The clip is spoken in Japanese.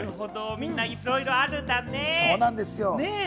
みんないろいろあるんだねぇ。